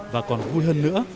và còn vui hơn nữa